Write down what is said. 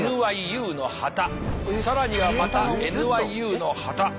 更にはまたＮＹＵの旗。